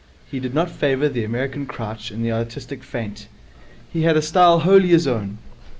He did not favour the American crouch and the artistic feint. He had a style wholly his own.